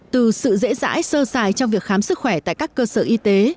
từ sự dễ dãi sơ xài trong việc khám sức khỏe tại các cơ sở y tế